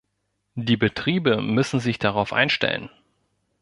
Die Betriebe müssen sich darauf einstellen.